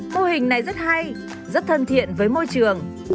mô hình này rất hay rất thân thiện với môi trường